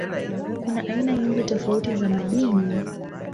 Kuna aina nyingi tofauti za madini.